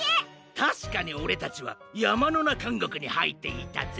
たしかにオレたちはやまのなかんごくにはいっていたぜ。